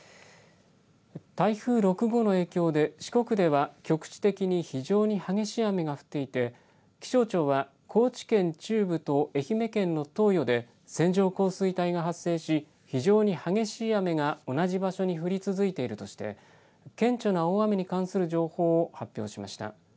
台風６号の影響で四国では局地的に非常に激しい雨が降っていて気象庁は高知県中部と愛媛県の東予で線状降水帯が発生し非常に激しい雨が同じ場所に降り続いているとして顕著な大雨に関する情報を発表しました。